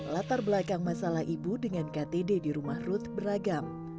latar belakang masalah ibu dengan ktd di rumah ruth beragam